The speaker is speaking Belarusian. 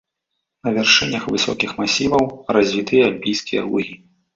На вяршынях высокіх масіваў развітыя альпійскія лугі.